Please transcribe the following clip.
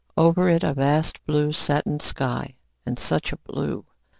Over it a vast blue satin sky and such a blue!